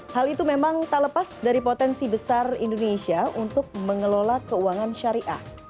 hal itu memang tak lepas dari potensi besar indonesia untuk mengelola keuangan syariah